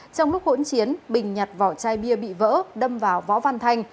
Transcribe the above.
trong lúc hỗn chiến bình nhặt vỏ chai bia bị vỡ đâm vào võ văn thanh